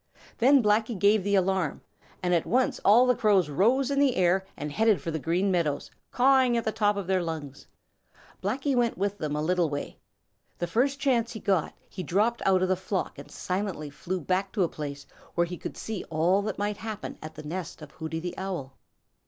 Then Blacky gave the alarm, and at once all the Crows rose in the air and headed for the Green Meadows, cawing at the top of their lungs. Blacky went with them a little way. The first chance he got he dropped out of the flock and silently flew back to a place where he could see all that might happen at the nest of Hooty the Owl.